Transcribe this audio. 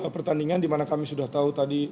pertandingan dimana kami sudah tahu tadi